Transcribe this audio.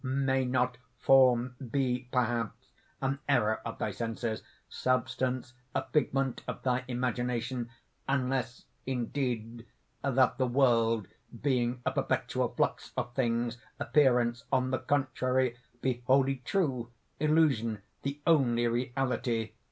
"May not Form be, perhaps, an error of thy senses, Substance a figment of thy imagination?" "Unless, indeed, that the world being a perpetual flux of things, appearance, on the contrary, be wholly true; illusion the only reality."